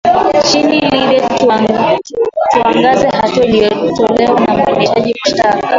chini libya tuangazie hatua iliyotolewa na mwendesha mashtaka